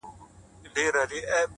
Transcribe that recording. څومره چي يې مينه كړه’